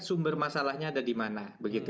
sumber masalahnya ada di mana